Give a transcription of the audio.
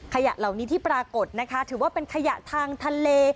ขยะเหล่านี้ที่ปรากฏนะคะถือว่าเป็นขยะทางทะเล